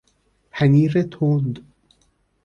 پنیر تند